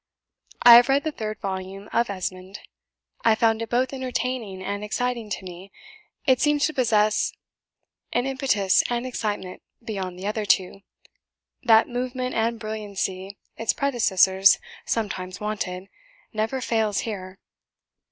I have read the third volume of 'Esmond.' I found it both entertaining and exciting to me; it seems to possess an impetus and excitement beyond the other two, that movement and brilliancy its predecessors sometimes wanted, never fails here.